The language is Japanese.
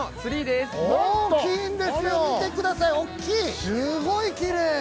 すごいきれい。